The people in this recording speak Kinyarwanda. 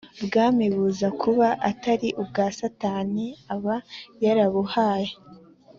bwami buza kuba atari ubwa Satani aba yarabuhaye